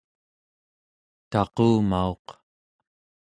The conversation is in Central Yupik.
taqumauq